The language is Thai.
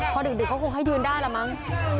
นั่นสิพอดึกเขาคงให้ยืนได้แหละมั้ง